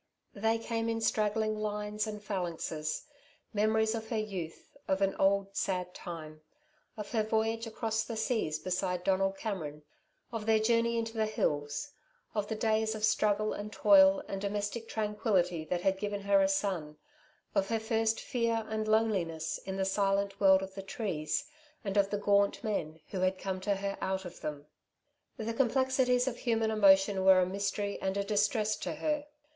They came in straggling lines and phalanxes memories of her youth, of an old sad time, of her voyage across the seas beside Donald Cameron, of their journey into the hills, of the days of struggle and toil and domestic tranquility that had given her a son, of her first fear and loneliness in the silent world of the trees, and of the gaunt men who had come to her out of them. The complexities of human emotion were a mystery and a distress to her.